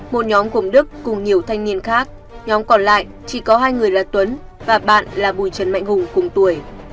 một nhóm gồm đức cùng nhiều thanh niên khác nhóm còn lại chỉ có hai người là tuấn và bạn là bùi trần mạnh hùng cùng tuổi